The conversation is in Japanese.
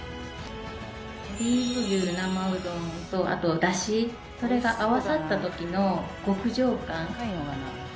オリーブ牛に生うどんそれにだしそれが合わさった時の極上感。